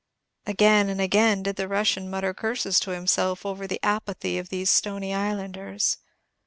Again and again did the Russian mutter curses to himself over the apathy of these stony islanders.